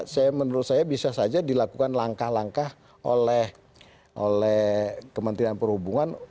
saya menurut saya bisa saja dilakukan langkah langkah oleh kementerian perhubungan